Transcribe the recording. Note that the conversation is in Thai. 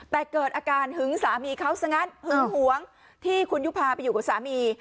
แต่เกิดอาการหึงสามีเขาซะงั้นหึงหวงที่คุณยุภาไปอยู่กับสามี